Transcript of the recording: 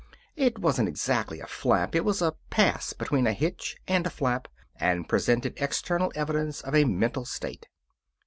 It wasn't exactly a flap; it was a pass between a hitch and a flap, and presented external evidence of a mental state.